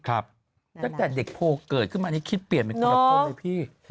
ตั้งแต่เด็กโพลเกิดขึ้นมานี่คิดเปลี่ยนเป็นคนละคนเลยพี่